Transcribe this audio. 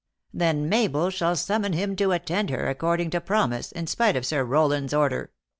"Then Mabel shall summon him to attend her, ac cording to promise, in spite of Sir Rowland s order